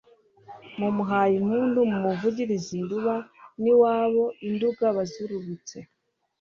Mumuhaye impundu, mumuvugirize indubaN' iwabo i Nduga bazururutse,